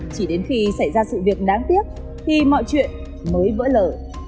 chỉ đến khi xảy ra sự việc đáng tiếc thì mọi chuyện mới vỡ lở